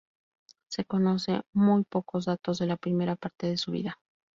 Se conocen muy pocos datos de la primera parte de su vida.